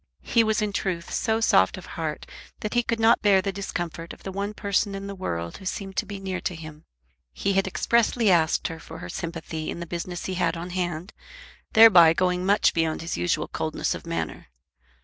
He was in truth so soft of heart that he could not bear the discomfort of the one person in the world who seemed to him to be near to him. He had expressly asked her for her sympathy in the business he had on hand, thereby going much beyond his usual coldness of manner.